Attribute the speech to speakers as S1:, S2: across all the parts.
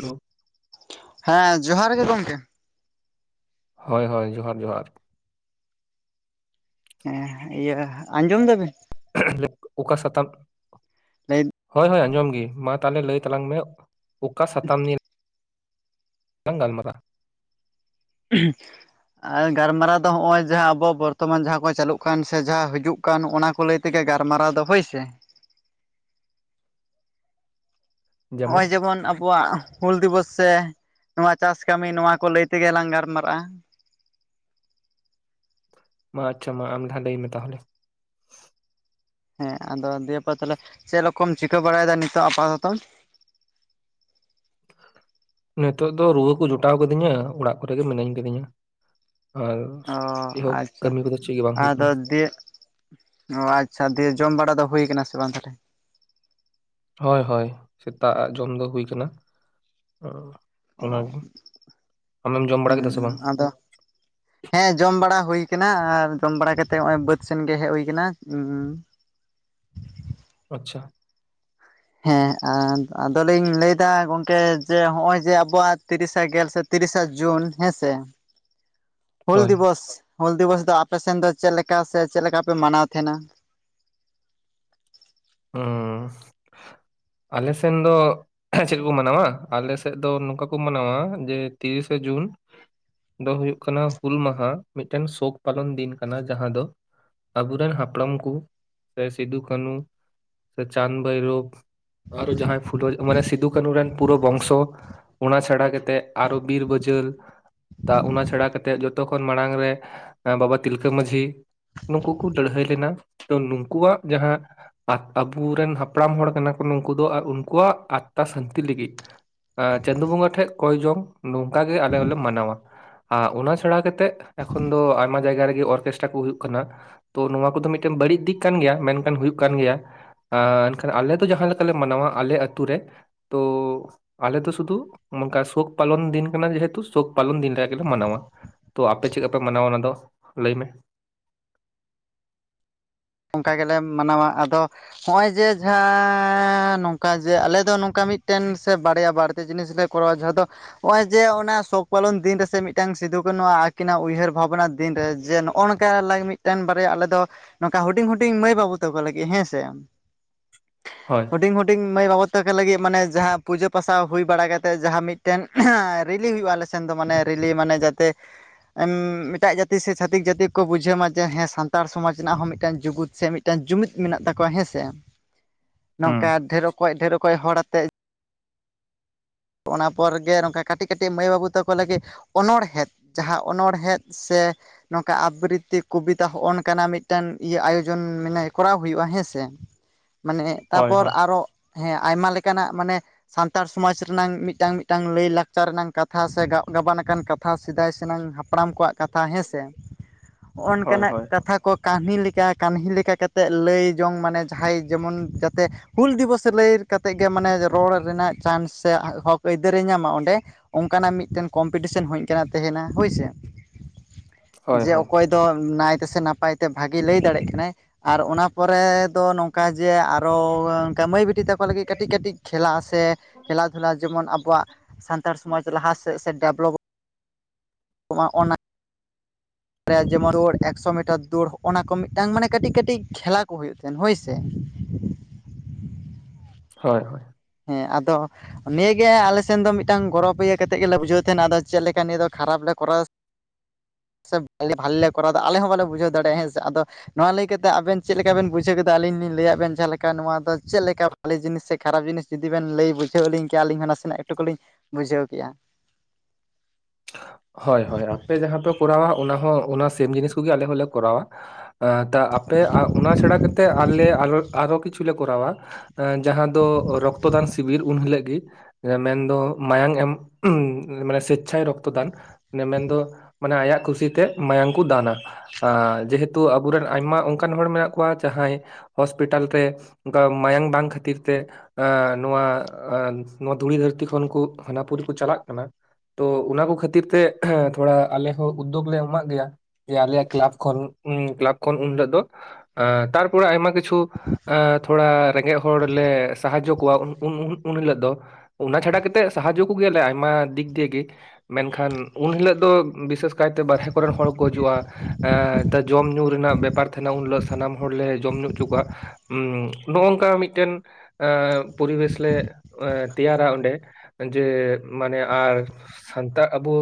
S1: Hello
S2: ᱦᱮᱸ ᱡᱚᱦᱟᱨ ᱜᱮ ᱜᱚᱢᱠᱮ
S1: ᱦᱳᱭ ᱦᱳᱭ ᱡᱚᱦᱟᱨ ᱡᱚᱦᱟᱨ
S2: ᱦᱮᱸ ᱤᱭᱟᱹ ᱟᱸᱡᱚᱢ ᱫᱟᱵᱤᱱ
S1: [inaudible] ᱚᱠᱟ ᱥᱟᱛᱟᱢ
S2: [unintelligible]
S1: ᱦ ᱟᱸᱡᱚᱢ ᱜᱤ ᱞᱟᱹᱭ ᱛᱟᱞᱟᱝ ᱢᱮ ᱚᱠᱟ ᱥᱟᱛᱟᱢ ᱜᱟᱞ ᱢᱟᱨᱟ
S2: ᱟᱨ ᱜᱟᱨᱢᱟᱨᱟᱣ ᱫᱚ ᱦᱚᱸᱜᱼᱚᱭ ᱡᱟᱦᱟᱸ ᱟᱵᱚ ᱵᱚᱨᱛᱚᱢᱟᱱ ᱡᱟᱦᱟᱸ ᱠᱚ ᱪᱟᱹᱞᱩᱜ ᱠᱟᱱ ᱥᱮ ᱡᱟᱦᱟᱸ ᱦᱤᱡᱩᱜ ᱠᱟᱱ ᱚᱱᱟ ᱠᱚ ᱞᱟᱹᱭ ᱛᱮᱜᱮ ᱜᱟᱨᱢᱟᱨᱟᱣ ᱫᱚ ᱦᱳᱭ ᱥᱮ ᱾ ᱱᱚᱜᱼᱚᱭ ᱡᱮᱢᱚᱱ ᱟᱵᱚᱣᱟᱜ ᱦᱩᱞ ᱫᱤᱵᱚᱥ ᱥᱮ ᱱᱚᱣᱟ ᱪᱟᱥ ᱠᱟᱹᱢᱤ ᱱᱚᱣᱟ ᱠᱚ ᱞᱟᱹᱭ ᱛᱮᱜᱮ ᱞᱟᱝ ᱜᱟᱨᱢᱟᱨᱟᱜᱼᱟ
S1: ᱢᱟ ᱟᱪᱪᱷᱟ ᱢᱟ ᱟᱢ [inaudible] ᱞᱟᱹᱭ ᱢᱮ ᱛᱟᱦᱚᱞᱮ
S2: ᱦᱮᱸ ᱟᱫᱚ ᱫᱤᱭᱮᱯᱚᱨ ᱛᱟᱦᱚᱞᱮ ᱪᱮᱫ ᱨᱚᱠᱚᱢ ᱪᱤᱠᱟᱹ ᱵᱟᱲᱟᱭᱮᱫᱟ ᱱᱤᱛᱚᱜ ᱟᱯᱟᱛᱚᱛᱚ
S1: ᱱᱤᱛᱚᱜ ᱫᱚ ᱨᱩᱣᱟᱹ ᱠᱚ ᱡᱚᱴᱟᱣ ᱟᱠᱟᱫᱤᱧᱟ ᱚᱲᱟᱜ ᱠᱚᱨᱮ ᱜᱮ ᱢᱤᱱᱟᱹᱧ ᱟᱠᱟᱫᱤᱧᱟ ᱟᱨ
S2: ᱚ
S1: ᱪᱮᱫ ᱦᱚ
S2: ᱟᱪᱪᱷᱟ
S1: ᱠᱟᱹᱢᱤ ᱠᱚᱫᱚ ᱪᱮᱫ ᱜᱮ ᱵᱟᱝ ᱦᱩᱭᱩᱜ
S2: ᱟᱫᱚ
S1: ᱠᱟᱱᱟ
S2: ᱫᱤᱭᱮ ᱚ ᱟᱪᱪᱷᱟ ᱫᱤᱭᱮ ᱡᱚᱢ ᱵᱟᱲᱟ ᱫᱚ ᱦᱩᱭ ᱟᱠᱟᱱᱟ ᱥᱮ ᱵᱟᱝ ᱛᱟᱦᱚᱞᱮ
S1: ᱦᱳᱭ ᱦᱳᱭ ᱥᱮᱛᱟᱜ ᱟᱜ ᱡᱚᱢ ᱫᱚ ᱦᱩᱭ ᱟᱠᱟᱱᱟ
S2: ᱚ
S1: ᱚᱱᱟᱜᱮ ᱟᱢᱮᱢ ᱡᱚᱢ ᱵᱟᱲᱟ
S2: ᱦᱩᱸ
S1: ᱠᱮᱫᱟ ᱥᱮ ᱵᱟᱝ
S2: ᱟᱫᱚ ᱦᱮᱸ ᱡᱚᱢ ᱵᱟᱲᱟ ᱦᱩᱭ ᱟᱠᱟᱱᱟ ᱟᱨ ᱡᱚᱢ ᱵᱟᱲᱟ ᱠᱟᱛᱮᱜ ᱱᱚᱜᱼᱚᱭ ᱵᱟᱹᱫ ᱥᱮᱱ ᱜᱮ ᱦᱮᱡ ᱦᱩᱭ ᱟᱠᱟᱱᱟ
S1: ᱟᱪᱪᱷᱟ
S2: ᱦᱮᱸ ᱟᱫᱚᱞᱤᱧ ᱞᱟᱹᱭᱫᱟ ᱜᱚᱝᱠᱮ ᱡᱮ ᱦᱚᱜᱼᱚᱭ ᱡᱮ ᱟᱵᱚᱣᱟᱜ ᱛᱤᱨᱤᱥᱟ ᱜᱮᱞ ᱥᱮ ᱛᱤᱨᱤᱥᱟ ᱡᱩᱱ ᱦᱮᱸ ᱥᱮ
S1: [inaudible]
S2: ᱦᱩᱞ ᱫᱤᱵᱚᱥ ᱦᱩᱞ ᱫᱤᱵᱚᱥ ᱫᱚ ᱟᱯᱮᱥᱱ ᱫᱚ ᱪᱮᱫ ᱞᱮᱠᱟ ᱥᱮ ᱪᱮᱫ ᱞᱮᱠᱟ ᱯᱮ ᱢᱟᱱᱟᱣ ᱛᱟᱦᱮᱱᱟ
S1: ᱟᱞᱮ ᱥᱮᱱ ᱫᱚ ᱪᱮᱫ ᱠᱚ ᱢᱟᱱᱟᱣᱟ ᱟᱞᱮ ᱥᱮᱫ ᱫᱚ ᱱᱚᱝᱠᱟ ᱠᱚ ᱢᱟᱱᱟᱣᱟ ᱡᱮ ᱛᱤᱨᱤᱥᱮ ᱡᱩᱱ ᱫᱚ ᱦᱩᱭᱩᱜ ᱠᱟᱱᱟ ᱦᱩᱞ ᱢᱟᱦᱟ ᱢᱤᱫᱴᱮᱱ ᱥᱳᱠ ᱯᱟᱞᱚᱱ ᱫᱤᱱ ᱠᱟᱱᱟ ᱡᱟᱦᱟᱸ ᱫᱚ ᱟᱵᱚᱨᱮᱱ ᱦᱟᱯᱲᱟᱢ ᱠᱚ ᱥᱮ ᱥᱤᱫᱩ ᱠᱟᱹᱱᱩ ᱥᱮ ᱪᱟᱸᱫᱽ ᱵᱷᱳᱭᱨᱳᱵ ᱟᱨᱚ ᱡᱟᱦᱟᱸᱭ ᱯᱷᱩᱞᱳ ᱢᱟᱱᱮ ᱥᱤᱫᱩ ᱠᱟᱹᱱᱩ ᱨᱮᱱ ᱯᱩᱨᱟᱹ ᱵᱚᱝᱥᱚ ᱚᱱᱟ ᱪᱷᱟᱲᱟ ᱠᱟᱛᱮᱫ ᱟᱨᱚ ᱵᱤᱨ ᱵᱟᱹᱡᱟᱹᱞ ᱚᱱᱟ ᱪᱷᱟᱲᱟ ᱠᱟᱛᱮᱜ ᱡᱚᱛᱚᱠᱷᱚᱱ ᱢᱟᱲᱟᱝ ᱨᱮ ᱵᱟᱵᱟ ᱛᱤᱞᱠᱟᱹ ᱢᱟᱺᱡᱷᱤ ᱱᱩᱠᱩ ᱠᱚ ᱞᱟᱹᱲᱦᱟᱹᱭ ᱞᱮᱱᱟ ᱛᱚ ᱱᱩᱠᱩᱣᱟᱜ ᱡᱟᱦᱟᱸ ᱟᱵᱚᱨᱮᱱ ᱦᱟᱯᱲᱟᱢ ᱦᱚᱲ ᱠᱟᱱᱟ ᱠᱚ ᱱᱩᱠᱩ ᱫᱚ ᱟᱨ ᱩᱱᱠᱩᱣᱟᱜ ᱟᱛᱛᱟ ᱥᱟᱱᱛᱤ ᱞᱟᱹᱜᱤᱫ ᱪᱟᱸᱫᱩ ᱵᱚᱸᱜᱟ ᱴᱷᱮᱱ ᱠᱚᱭ ᱡᱚᱝ ᱱᱚᱝᱠᱟ ᱜᱮ ᱟᱞᱮ ᱦᱚᱸᱞᱮ ᱢᱟᱱᱟᱣᱟ ᱟᱨ ᱚᱱᱟ ᱪᱷᱟᱲᱟ ᱠᱟᱛᱮᱫ ᱮᱠᱷᱚᱱ ᱫᱚ ᱟᱭᱢᱟ ᱡᱟᱭᱜᱟ ᱨᱮᱜᱮ ᱚᱨᱠᱮᱥᱴᱨᱟ ᱠᱚ ᱦᱩᱭᱩᱜ ᱠᱟᱱᱟ ᱛᱚ ᱱᱚᱣᱟ ᱠᱚᱫᱚ ᱢᱤᱫᱴᱮᱱ ᱵᱟᱹᱲᱤᱡ ᱫᱤᱠ ᱠᱟᱱ ᱜᱮᱭᱟ ᱢᱮᱱᱠᱷᱟᱱ ᱦᱳᱭᱳᱜ ᱠᱟᱱᱟ ᱠᱟᱱ ᱜᱮᱭᱟ ᱮᱱᱠᱷᱟᱱ ᱟᱞᱮ ᱫᱚ ᱡᱟᱦᱟᱸ ᱞᱮᱠᱟᱞᱮ ᱢᱟᱱᱟᱣᱟ ᱟᱞᱮ ᱟᱛᱳ ᱨᱮ ᱛᱚ ᱟᱞᱮᱫᱚ ᱥᱩᱫᱷᱩ ᱚᱱᱠᱟ ᱥᱩᱠ ᱯᱟᱞᱚᱱ ᱫᱤᱱ ᱠᱟᱱᱟ ᱡᱮᱦᱮᱛᱩ ᱥᱳᱠ ᱯᱟᱞᱚᱱ ᱫᱤᱱ ᱨᱮ ᱟᱜᱮᱞᱮ ᱢᱟᱱᱟᱣᱟ ᱛᱚ ᱟᱯᱮ ᱪᱮᱫ ᱞᱮᱠᱟ ᱯᱮ ᱢᱟᱱᱟᱣᱟ ᱚᱱᱟ ᱫᱚ ᱞᱟᱹᱭ ᱢᱮ
S2: ᱚᱱᱠᱟ ᱜᱮᱞᱮ ᱢᱟᱱᱟᱣᱟ ᱟᱫᱚ ᱱᱚᱜᱼᱚᱭ ᱡᱮ ᱡᱟᱦᱟᱸ ᱱᱚᱝᱠᱟ ᱡᱮ ᱟᱞᱮ ᱫᱚ ᱱᱚᱝᱠᱟ ᱢᱤᱫᱴᱮᱱ ᱥᱮ ᱵᱟᱨᱭᱟ ᱵᱟᱨᱛᱮ ᱡᱤᱱᱤᱥ ᱞᱮ ᱠᱚᱨᱟᱣ ᱡᱟᱦᱟ ᱫᱚ ᱱᱚᱜᱼᱚᱭ ᱡᱮ ᱚᱱᱟ ᱥᱚᱠ ᱯᱟᱞᱚᱱ ᱫᱤᱱ ᱨᱮᱥᱮ ᱢᱤᱫᱴᱟᱝ ᱥᱤᱫᱩᱠᱟᱹᱱᱩ ᱟᱹᱠᱤᱱᱟᱜ ᱩᱭᱦᱟᱹᱨ ᱵᱷᱟᱵᱽᱱᱟ ᱫᱤᱱ ᱨᱮ ᱡᱮ ᱱᱚᱜ ᱱᱚᱜᱼᱚ ᱱᱚᱝᱠᱟ ᱢᱤᱫᱴᱮᱱ ᱵᱟᱨᱭᱟ ᱟᱞᱮ ᱫᱚ ᱱᱚᱝᱠᱟ ᱦᱩᱰᱤᱧ ᱦᱩᱰᱤᱧ ᱢᱟᱹᱭ ᱵᱟᱹᱵᱩ ᱛᱟᱠᱚ ᱞᱟᱹᱜᱤᱫ ᱦᱮᱸᱥᱮ
S1: ᱦᱳᱭ
S2: ᱦᱩᱰᱤᱧ ᱦᱩᱰᱤᱧ ᱢᱟᱹᱭ ᱵᱟᱵᱩ ᱛᱟᱠᱚ ᱞᱟᱹᱜᱤᱫ ᱢᱟᱱᱮ ᱡᱟᱦᱟᱸ ᱯᱩᱡᱟᱹ ᱯᱟᱥᱟᱣ ᱦᱩᱭ ᱵᱟᱲᱟ ᱠᱟᱛᱮᱫ ᱡᱟᱦᱟᱸ ᱢᱤᱫᱴᱮᱱ ᱨᱤᱞᱤ ᱦᱩᱭᱩᱜᱼᱟ ᱟᱞᱮ ᱥᱮᱱ ᱫᱚ ᱢᱟᱱᱮ ᱨᱤᱞᱤ ᱢᱟᱱᱮ ᱡᱟᱛᱮ ᱮᱴᱟᱜ ᱡᱟᱹᱛᱤ ᱥᱮ ᱪᱝᱝᱝᱝᱝᱝᱝᱝᱝᱷᱟᱛᱤᱠ ᱡᱟᱹᱛᱤ ᱠᱚ ᱵᱩᱡᱷᱟᱹᱣ ᱢᱟ ᱡᱮ ᱦᱮ ᱥᱟᱱᱛᱟᱲ ᱥᱚᱢᱟᱡᱽ ᱨᱮᱱᱟᱜ ᱦᱚᱸ ᱢᱤᱫᱴᱟᱝ ᱡᱩᱜᱢᱩᱤᱫ ᱥᱮ ᱢᱤᱫᱴᱟᱝ ᱡᱩᱢᱤᱫ ᱢᱮᱱᱟᱜ ᱛᱟᱠᱚᱣᱟ ᱦᱮᱸ ᱥᱮ ᱱᱚᱝᱠᱟ
S1: ᱦᱩᱸ
S2: ᱰᱷᱮᱨᱠᱚᱡ ᱰᱷᱮᱨᱚᱠᱚ ᱦᱚᱲᱛ ᱚᱱᱟ ᱯᱚᱨ ᱜᱮ ᱱᱚᱝᱠᱟ ᱠᱟᱹᱴᱤᱡ ᱠᱟᱹᱴᱤᱡ ᱢᱟᱹᱭ ᱵᱟᱹᱵᱩ ᱛᱟᱠᱚ ᱞᱟᱹᱜᱤᱫ ᱚᱱᱚᱬᱦᱮᱸ ᱡᱟᱦᱟᱸ ᱚᱱᱚᱲᱦᱮᱸ ᱥᱮ ᱱᱚᱝᱠᱟ ᱟᱵᱨᱤᱛᱤ ᱠᱚᱵᱤᱛᱟ ᱦᱚᱜᱼ ᱱᱚᱠᱟᱱᱟᱜ ᱢᱤᱫᱴᱟᱱ ᱤᱭᱟᱹ ᱟᱭᱳᱡᱚᱱ ᱢᱟᱱᱮ ᱠᱚᱨᱟᱣ ᱦᱩᱭᱩᱜᱼᱟ ᱦᱮᱸ ᱥᱮ
S1: [inaudible]
S2: ᱢᱟᱱᱮ
S1: ᱦᱳᱭ
S2: ᱛᱟᱯᱚᱨ
S1: ᱦᱳᱭ
S2: ᱟᱨᱚ ᱦᱮᱸ ᱟᱭᱢᱟ ᱞᱮᱠᱟᱱᱟᱜ ᱢᱟᱱᱮ ᱥᱟᱱᱛᱟᱲ ᱥᱚᱢᱟᱡᱽ ᱨᱮᱱᱟᱝ ᱢᱤᱫᱴᱟᱝ ᱢᱤᱫᱴᱟᱝ ᱞᱟᱹᱭ ᱞᱟᱠᱪᱟᱨ ᱨᱮᱱᱟᱝ ᱠᱟᱛᱷᱟ ᱥᱮ ᱜᱟᱜ ᱜᱟᱵᱟᱱ ᱟᱠᱟᱱ ᱠᱟᱛᱷᱟ ᱥᱮᱫᱟᱭ ᱥᱮᱱᱟᱝ ᱦᱟᱯᱲᱟᱢ ᱠᱚᱣᱟᱜ ᱠᱟᱛᱷᱟ ᱦᱮᱸᱥᱮ ᱦᱚᱸᱜᱼᱚ
S1: ᱦᱳᱭ
S2: ᱱᱤᱝᱠᱟᱹᱱᱟᱜ
S1: ᱦᱳᱭ
S2: ᱠᱟᱛᱷᱟ ᱠᱚ ᱠᱟᱦᱱᱤ ᱞᱮᱠᱟ ᱠᱟᱱᱦᱤ ᱞᱮᱠᱟ ᱠᱟᱛᱮᱫ ᱞᱟᱹᱭ ᱡᱚᱝ ᱢᱟᱱᱮ ᱡᱟᱦᱟᱸᱭ ᱡᱮᱢᱚᱱ ᱡᱟᱛᱮ ᱦᱩᱞ ᱫᱤᱵᱚᱥ ᱞᱟᱹᱭ ᱠᱟᱛᱮᱫ ᱜᱮ ᱢᱟᱱᱮ ᱨᱚᱲ ᱨᱮᱱᱟᱜ ᱪᱟᱱᱥ ᱥᱮ ᱦᱚᱠ ᱟᱹᱭᱫᱟᱹᱨᱮ ᱧᱟᱢᱟ ᱚᱸᱰᱮ ᱚᱱᱠᱟᱱᱟᱜ ᱢᱤᱫᱴᱮᱱ ᱠᱚᱢᱯᱤᱴᱤᱥᱮᱱ ᱦᱳᱭ ᱚᱝᱠᱟᱱᱟᱜ ᱛᱟᱦᱮᱱᱟ ᱦᱳᱭ ᱥᱮ᱾
S1: ᱦᱳᱭ
S2: ᱡᱮ
S1: ᱦᱳᱭ
S2: ᱚᱠᱚᱭ ᱫᱚ ᱱᱟᱭ ᱛᱮ ᱥᱮ ᱱᱟᱯᱟᱭ ᱛᱮ ᱵᱷᱟᱜᱮ ᱞᱟᱹᱭ ᱫᱟᱲᱮᱜ ᱠᱟᱱᱟᱭ᱾ ᱟᱨ ᱚᱱᱟ ᱯᱚᱨᱮ ᱫᱚ ᱱᱚᱝᱠᱟ ᱡᱮ ᱟᱨᱚ ᱚᱱᱠᱟ ᱢᱟᱹᱭ ᱵᱤᱴᱤ ᱛᱟ ᱠᱚ ᱞᱟᱹᱜᱤᱫ ᱠᱟᱹᱴᱤᱡ ᱠᱟᱹᱴᱤᱡ ᱠᱷᱮᱞᱟ ᱥᱮ [unintelligible] ᱠᱷᱮᱞᱟ ᱡᱮᱢᱚᱱ ᱟᱵᱚᱣᱟᱜ ᱥᱟᱱᱛᱟᱲ ᱥᱚᱢᱟᱡᱽ ᱞᱟᱦᱟ ᱥᱮᱫ ᱥᱮ ᱰᱮᱵᱽᱞᱚᱯ ᱚᱜ ᱢᱟ ᱚᱱᱟ
S1: [inaudible]
S2: [unintelligible] ᱡᱮᱢᱚᱱ ᱫᱳᱲ ᱮᱠᱥᱳ ᱢᱤᱴᱟᱨ ᱫᱳᱲ ᱦᱚᱸᱜᱼᱱᱟ ᱠᱚ ᱢᱤᱫᱴᱟᱝ ᱢᱟᱱᱮ ᱠᱟᱴᱤᱡ ᱠᱟᱴᱤᱡ ᱠᱷᱮᱞᱟ ᱠᱚ ᱦᱩᱭᱩᱜ ᱛᱟᱦᱮᱱ ᱦᱳᱭ ᱥᱮ᱾
S1: ᱦᱚᱭ ᱦᱚᱭ᱾
S2: ᱦᱮᱸ ᱟᱫᱚ ᱱᱤᱭᱟᱹᱜᱮ ᱟᱞᱮ ᱥᱮᱱ ᱫᱚ ᱢᱤᱫᱴᱟᱝ ᱜᱚᱨᱚᱵᱽ ᱤᱭᱟᱹ ᱠᱟᱛᱮᱫ ᱜᱮᱞᱮ ᱵᱩᱡᱷᱟᱹᱣ ᱛᱟᱦᱮᱱᱟ, ᱟᱫᱚ ᱪᱮᱫ ᱞᱮᱠᱟ ᱱᱤᱭᱟᱹ ᱫᱚ ᱠᱷᱟᱨᱟᱯ ᱞᱮ ᱠᱚᱨᱟᱣ
S1: [inaudible]
S2: ᱥᱮ ᱵᱷᱟᱞᱮ ᱵᱷᱟᱞᱮ ᱞᱮ ᱠᱚᱨᱟᱣ ᱫᱟ ᱟᱞᱮ ᱦᱚᱸ ᱵᱟᱞᱮ ᱵᱩᱡᱷᱟᱹᱣ ᱫᱟᱲᱮᱭᱟᱜᱼᱟ ᱦᱮᱸ ᱥᱮ ᱟᱫᱚ ᱱᱚᱣᱟ ᱞᱟᱹᱭ ᱠᱟᱛᱮ ᱟᱵᱮᱱ ᱪᱮᱫ ᱞᱮᱠᱟ ᱵᱮᱱ ᱵᱩᱡᱷᱟᱹᱣ ᱠᱮᱫᱟ? ᱟᱹᱞᱤᱧ ᱞᱤᱧ ᱞᱟᱹᱭᱟᱫ ᱵᱮᱱ ᱡᱟᱦᱟᱸ ᱞᱮᱠᱟ ᱱᱚᱣᱟ ᱫᱚ ᱪᱮᱫ ᱞᱮᱠᱟ ᱵᱷᱟᱹᱞᱮ ᱡᱤᱱᱤᱥ ᱥᱮ ᱠᱷᱟᱨᱟᱯ ᱡᱤᱱᱤᱥ? ᱡᱩᱫᱤ ᱵᱮᱱ ᱞᱟᱹᱭ ᱵᱩᱡᱷᱟᱹᱣ ᱞᱤᱧ ᱠᱮᱭᱟ, ᱟᱹᱞᱤᱧ ᱦᱚᱸ ᱱᱟᱥᱮᱱᱟᱜ ᱮᱠᱴᱩᱠᱩ ᱞᱤᱧ ᱵᱩᱡᱷᱟᱣ ᱠᱮᱭᱟ᱾
S1: ᱦᱚᱭ ᱦᱚᱭ ᱟᱯᱮ ᱡᱟᱸᱦᱟᱸ ᱯᱮ ᱠᱚᱨᱟᱣᱟ, ᱚᱱᱟ ᱦᱚᱸ ᱚᱱᱟ ᱥᱮᱢ ᱡᱤᱱᱤᱥ ᱠᱚᱜᱮ ᱟᱞᱮ ᱦᱚᱸᱞᱮ ᱠᱚᱨᱟᱣᱟ᱾ ᱛᱟ ᱟᱯᱮ ᱚᱱᱟ ᱪᱷᱟᱲᱟ ᱠᱟᱛᱮᱜ ᱟᱞᱮ ᱟᱨᱚ ᱟᱨᱚ ᱠᱤᱪᱷᱩᱞᱮ ᱠᱚᱨᱟᱣᱟ ᱡᱟᱦᱟᱸ ᱫᱚ ᱨᱚᱠᱛᱚᱫᱟᱱ ᱥᱤᱵᱤᱨ ᱩᱱ ᱦᱤᱞᱟᱹᱜ ᱜᱤ᱾ ᱢᱮᱱ ᱫᱚ ᱢᱟᱭᱟᱝ ᱮᱢ ᱢᱟᱱᱮ ᱥᱮᱪᱪᱷᱟᱭ ᱨᱚᱠᱛᱚᱫᱟᱱ ᱢᱮᱼᱢᱮᱱ ᱫᱚ ᱢᱟᱱᱮ ᱟᱭᱟᱜ ᱠᱩᱥᱤ ᱛᱮ ᱢᱟᱭᱟᱝ ᱠᱩ ᱫᱟᱱᱟ᱾ ᱡᱮᱦᱮᱛᱩ ᱟᱵᱩ ᱨᱮᱱ ᱟᱭᱢᱟ ᱚᱝᱠᱟᱱ ᱦᱚᱲ ᱢᱮᱱᱟᱜ ᱠᱚᱣᱟ ᱡᱟᱦᱟᱸᱭ ᱦᱚᱥᱯᱤᱴᱟᱞ ᱛᱮ, ᱚᱝᱠᱟ ᱢᱟᱭᱟᱝ ᱵᱟᱝ ᱠᱷᱟᱹᱛᱤᱨ ᱛᱮ ᱮᱸ ᱱᱚᱶᱟ ᱫᱷᱩᱲᱤ ᱫᱷᱟᱹᱨᱛᱤ ᱠᱷᱚᱱ ᱠᱩ ᱦᱟᱱᱟᱯᱩᱨᱤ ᱠᱩ ᱪᱟᱞᱟᱜ ᱠᱟᱱᱟ᱾ ᱛᱚ ᱚᱱᱟ ᱠᱚ ᱠᱷᱟᱹᱛᱤᱨ ᱛᱮ, ᱛᱷᱚᱲᱟ ᱟᱞᱮ ᱦᱚᱸ ᱩᱫᱽᱫᱳᱜᱽ ᱞᱮ ᱮᱢᱟᱜ ᱜᱮᱭᱟ᱾ ᱡᱮ ᱟᱞᱮᱭᱟᱜ ᱠᱞᱟᱵᱽ ᱠᱷᱚᱱ ᱠᱞᱟᱵᱽ ᱠᱷᱚᱱ ᱩᱱ ᱦᱤᱞᱳᱜ ᱫᱚ ᱛᱟᱨᱯᱚᱨᱮ ᱟᱭᱢᱟ ᱠᱤ ᱪᱷᱩ ᱛᱷᱚᱲᱟ ᱨᱮᱸᱜᱮᱡ ᱦᱚᱲ ᱞᱮ ᱥᱟᱦᱟᱡᱡᱚ ᱠᱚᱣᱟ ᱩᱱ ᱩᱱ ᱩᱱ ᱦᱤᱞᱳᱜ ᱫᱚ ᱚᱱᱟ ᱪᱷᱟᱰᱟ ᱠᱟᱛᱮᱫ ᱥᱟᱦᱟᱡᱡᱚ ᱠᱚ ᱜᱮᱭᱟᱞᱮ ᱟᱭᱢᱟ ᱫᱤᱠ ᱫᱤᱭᱮ ᱜᱮ᱾ ᱢᱮᱱᱠᱷᱟᱱ ᱩᱱ ᱦᱤᱞᱳᱜ ᱫᱚ ᱵᱤᱥᱮᱹᱥ ᱠᱟᱭᱛᱮ ᱵᱟᱨᱦᱮ ᱠᱚᱨᱮᱱ ᱦᱚᱲ ᱠᱚ ᱦᱤᱡᱩᱜᱼᱟ ᱮᱸ ᱡᱚᱢ ᱧᱩ ᱨᱮᱱᱟᱜ ᱵᱮᱯᱟᱨ ᱛᱟᱦᱮᱱᱟ, ᱩᱱ ᱦᱤᱞᱳᱜ ᱥᱟᱱᱟᱢ ᱦᱚᱲ ᱞᱮ ᱡᱚᱢᱼᱧᱩ ᱦᱚᱪᱚ ᱠᱚᱣᱟ᱾ ᱩᱸ ᱱᱚᱜᱼᱚᱝᱠᱟ ᱢᱤᱫᱴᱮᱱ ᱯᱚᱨᱤᱵᱮᱥ ᱞᱮ ᱛᱮᱭᱟᱨᱟ ᱚᱸᱰᱮ᱾ ᱡᱮ ᱢᱟᱱᱮ ᱟᱨ ᱥᱟᱱᱛᱟ ᱟᱵᱩ